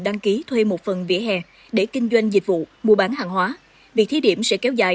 đăng ký thuê một phần vỉa hè để kinh doanh dịch vụ mua bán hàng hóa việc thí điểm sẽ kéo dài